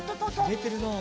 ゆれてるなあ。